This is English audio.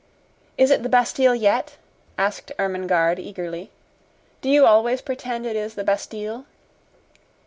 "Is it the Bastille yet?" asked Ermengarde, eagerly. "Do you always pretend it is the Bastille?"